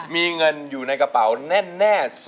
มีเงินอยู่ในกระเป๋าแน่